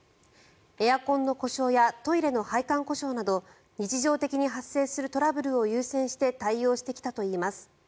エアコンの故障やトイレの配管故障など日常的に発生するトラブルを優先して対応してきたといいます。